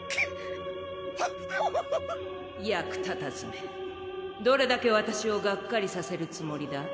ああわわ・役立たずめどれだけわたしをがっかりさせるつもりだ？